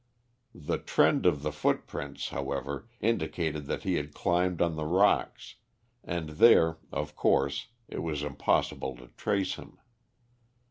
The trend of the footprints, however, indicated that he had climbed on the rocks, and there, of course, it was impossible to trace him.